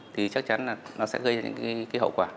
thì chắc chắn là nó sẽ gây những hậu quả